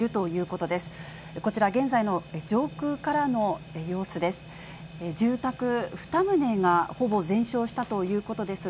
こちら、現在の上空からの様子です。